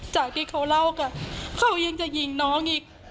จากที่เขาเล่ากันเขายังจะยิงน้องอีก